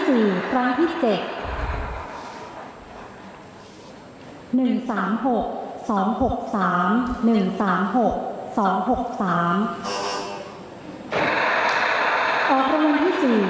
อพที่๔ครั้งที่๗